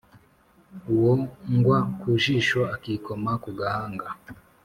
Uwo ngwa ku jisho akikoma ku gahanga